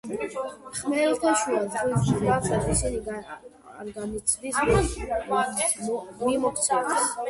ხმელთაშუა ზღვის მსგავსად ისიც არ განიცდის მიმოქცევას.